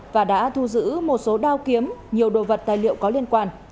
và đã thu giữ một số đao kiếm nhiều đồ vật tài liệu có liên quan